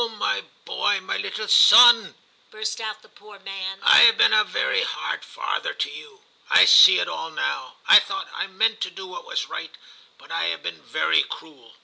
my boy, my little son,' burst out the poor man, * I have been a very hard father to you. I see it all now ; I thought, I meant to do what was right, but I have been very cruel.